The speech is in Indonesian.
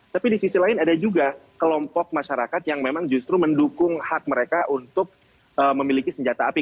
tapi di sisi lain ada juga kelompok masyarakat yang memang justru mendukung hak mereka untuk memiliki senjata api